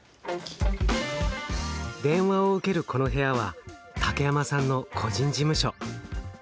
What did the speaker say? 電話を受けるこの部屋は竹山さんの個人事務所。